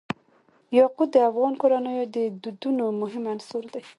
یاقوت د افغان کورنیو د دودونو مهم عنصر دی.